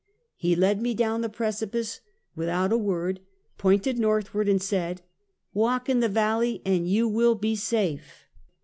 He led me down the precipice without a word, pointed northward and said :" Walk in the valley and you will be safe."